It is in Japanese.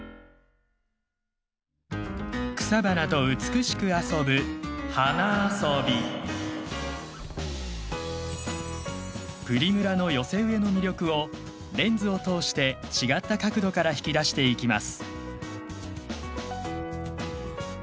草花と美しく遊ぶプリムラの寄せ植えの魅力をレンズを通して違った角度から引き出していきます。